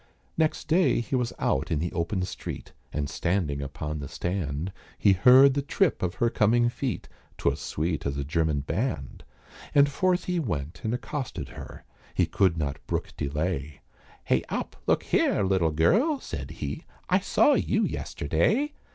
Next day he was out in the open street, And standing upon the stand, He heard the trip of her coming feet, 'Twas sweet as a German band. And forth he went and accosted her, He could not brook delay, "Hey up, look here, little gurl," said he, "I saw you yesterday."